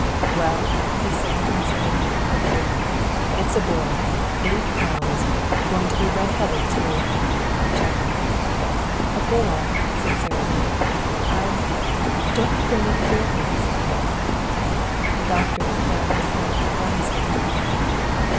"Well," he said when Sara Lee opened the door, "it's a boy. Eight pounds. Going to be red headed, too." He chuckled. "A boy!" said Sara Lee. "I don't you bring any girl babies any more?" The doctor put down his hat and glanced at her.